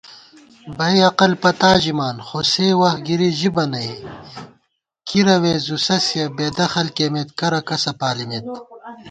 بئ عقل پتا ژِمان خوسےوخت گِری ژِبہ نئ * کی روے زُو سَیہ بېدخل کېمېت کرہ کسہ پالِمېت